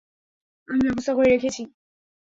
আমি ব্যবস্থা করে রেখেছি।